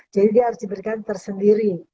dia harus diberikan tersendiri